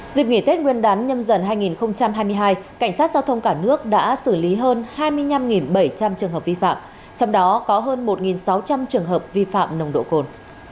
dịp nghỉ tết nguyên đán nhâm dần hai nghìn hai mươi hai cảnh sát giao thông cả nước đã xử lý hơn hai mươi năm bảy trăm linh trường hợp vi phạm trong đó có hơn một sáu trăm linh trường hợp vi phạm nồng độ cồn